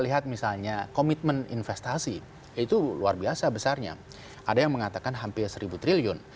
lihat misalnya komitmen investasi itu luar biasa besarnya ada yang mengatakan hampir seribu triliun